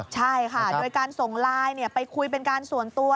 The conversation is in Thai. ใช่ค่ะโดยการส่งไลน์ไปคุยเป็นการส่วนตัว